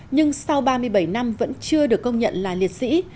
nhưng sau ba mươi bảy năm vẫn chưa được công nhận là liệt sĩ